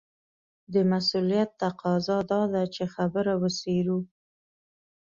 د مسووليت تقاضا دا ده چې خبره وڅېړو.